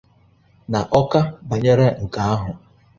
n'Awka banyere nke ahụ.